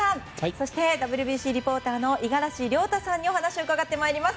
そして、ＷＢＣリポーターの五十嵐亮太さんにお話を伺ってまいります。